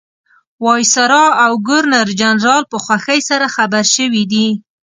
وایسرا او ګورنرجنرال په خوښۍ سره خبر شوي دي.